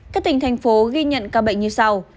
các tỉnh thành phố ghi nhận ca bệnh như sau